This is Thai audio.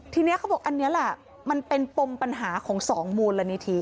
ทีนี้เขาบอกอันนี้แหละมันเป็นปมปัญหาของสองมูลนิธิ